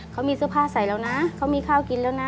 เขามีเสื้อผ้าใส่แล้วนะเขามีข้าวกินแล้วนะ